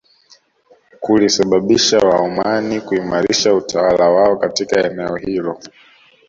Kulisababisha Waomani kuimarisha utawala wao katika eneo hilo